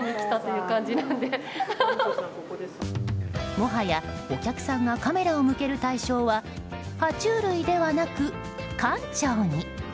もはやお客さんがカメラを向ける対象は爬虫類ではなく、館長に。